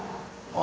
あ！